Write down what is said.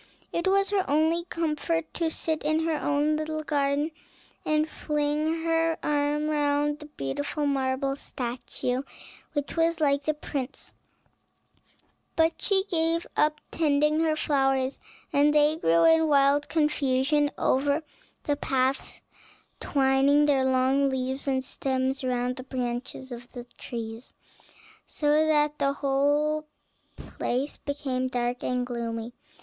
It was her only comfort to sit in her own little garden, and fling her arm round the beautiful marble statue which was like the prince; but she gave up tending her flowers, and they grew in wild confusion over the paths, twining their long leaves and stems round the branches of the trees, so that the whole place became dark and gloomy.